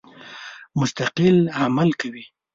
مستقل عمل کوي.